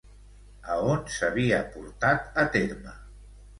A on s'havia portat a terme?